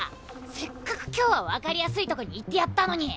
せっかく今日は分かりやすいとこにいてやったのに！